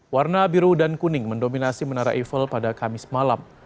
warna biru dan kuning mendominasi menara eiffel pada kamis malam